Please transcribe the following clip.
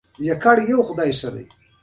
د امیر محمد اعظم خان د پاچهۍ دوره لنډه وه.